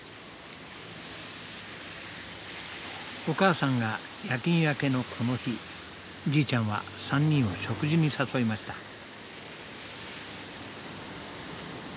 お母さんが夜勤明けのこの日じいちゃんは３人を食事に誘いました。